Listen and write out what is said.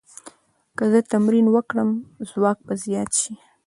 که زه تمرین وکړم، ځواک به زیات شي.